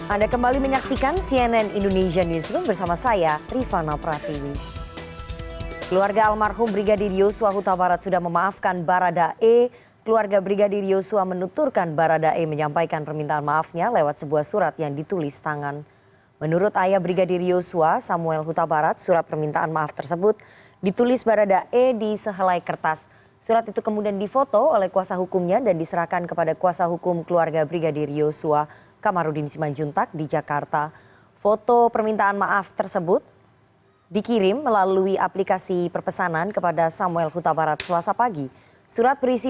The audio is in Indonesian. anda kembali menyaksikan cnn indonesia newsroom bersama saya rifana praviwi